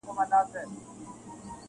ستا موسکي موسکي نظر کي -